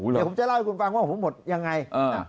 เดี๋ยวผมจะเล่าให้คุณฟังว่าผมหมดยังไง